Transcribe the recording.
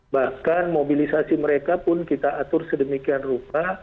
bahkan mobilisasi mereka pun kita atur sedemikian rupa